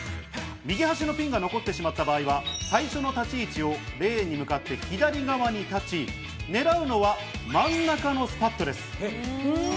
右端のピンが残ってしまった場合は最初の立ち位置をレーンに向かって左側に立ち、狙うのは真ん中のスパットです。